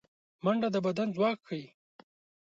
منډه د بدن ځواک ښيي